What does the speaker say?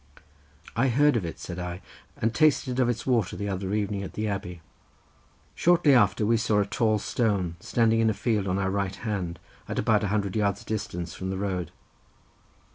"I heard of it," said I, "and tasted of its water the other evening at the abbey." Shortly after we saw a tall stone standing in a field on our right hand at about a hundred yards distance from the road.